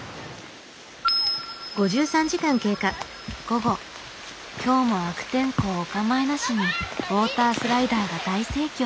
午後今日も悪天候おかまいなしにウォータースライダーが大盛況。